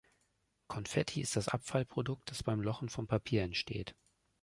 Konfetti ist das Abfallprodukt, das beim Lochen von Papier entsteht.